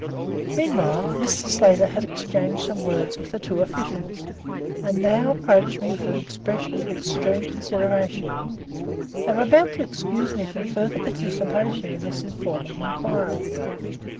Meanwhile, Mr. Slater had exchanged some words with the two officials, and now approached me with an expression of extreme consideration. They were about to excuse me from further participation in this informal inquiry.